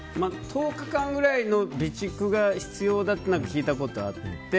１０日間ぐらいの備蓄が必要だっていうのは聞いたことがあって。